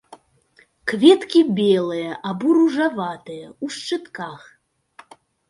Кветкі белыя або ружаватыя, у шчытках.